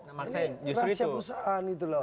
ini rahasia perusahaan